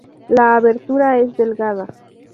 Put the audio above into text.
La abertura es delgada.